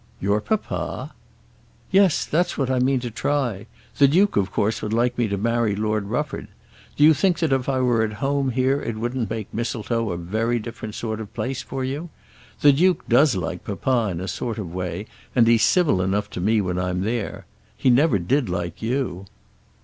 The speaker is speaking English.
"Your papa!" "Yes; that's what I mean to try. The Duke, of course, would like me to marry Lord Rufford. Do you think that if I were at home here it wouldn't make Mistletoe a very different sort of place for you? The Duke does like papa in a sort of way, and he's civil enough to me when I'm there. He never did like you."